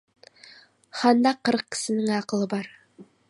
Ханда қырық кісінің ақылы бар.